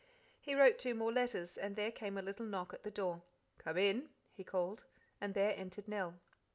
He wrote two more letters, and there came a little knock at the door. "Come in," he called; and there entered Nell.